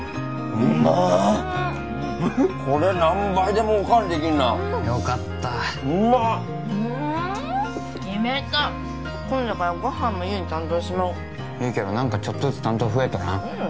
うんっこれ何杯でもおかわりできんなよかったうまっうんっ決めた今度からご飯も優に担当してもらおういいけど何かちょっとずつ担当増えとらん？